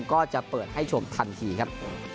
ก็จะเปิดให้ชมทันทีครับ